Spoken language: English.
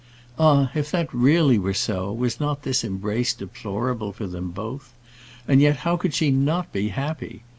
Ah! if that really were so, was not this embrace deplorable for them both? And yet how could she not be happy?